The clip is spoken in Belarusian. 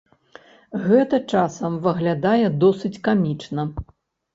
Гэта часам выглядае досыць камічна.